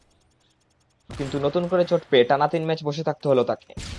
কিন্তু নতুন করে চোট পেয়ে টানা তিন ম্যাচ বসে থাকতে হলো তাঁকে।